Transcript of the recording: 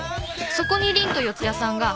そこに凛と四谷さんが」